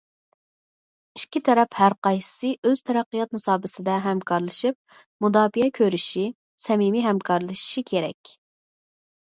ئىككى تەرەپ ھەرقايسىسى ئۆز تەرەققىيات مۇساپىسىدە ھەمكارلىشىپ مۇداپىئە كۆرۈشى، سەمىمىي ھەمكارلىشىشى كېرەك.